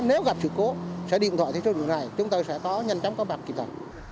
nếu gặp sự cố sẽ điện thoại theo số điện thoại chúng ta sẽ có nhanh chóng có bạc kịp thật